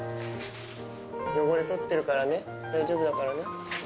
汚れ取ってるからね、大丈夫だからね。